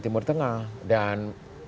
timur tengah dan